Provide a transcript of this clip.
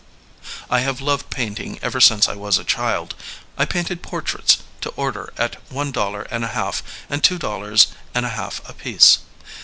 I have loved painting ever since I was a child. I painted por traits to order at one dollar and a half and two dol lars and a half apiece.